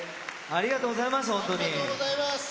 ありがとうございます。